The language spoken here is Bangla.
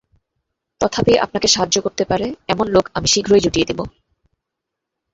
তথাপি আপনাকে সাহায্য করতে পারে, এমন লোক আমি শীঘ্রই জুটিয়ে দেব।